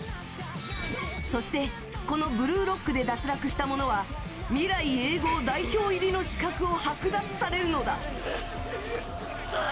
そして、このブルーロックで脱落した者は未来永劫、代表入りの資格を剥奪されるのだ。